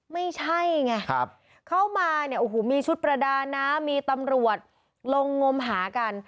ไม่ใช่ไงเข้ามาเนี่ยโอ้โหมีชุดประดาน้ำมีตำรวจลงงมหากัน